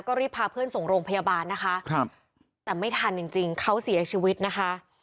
ก็รีบพาเพื่อนส่งโรงพยาบาลนะคะแต่ไม่ทันจริงเขาเสียชีวิตนะคะ